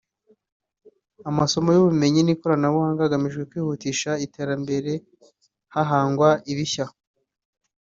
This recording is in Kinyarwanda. amasomo y’ubumenyi n’ikoranabuhanga hagamijwe kwihutisha iterambere hahangwa ibishya